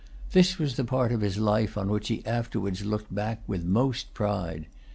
This was the part of his life on which he afterwards looked back with most pride.